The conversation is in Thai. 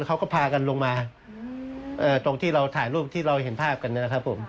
เขาก็พากันลงมาตรงที่เราถ่ายรูปที่เราเห็นภาพกันนะครับผม